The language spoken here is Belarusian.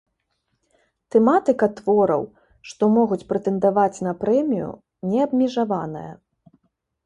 Тэматыка твораў, што могуць прэтэндаваць на прэмію, неабмежаваная.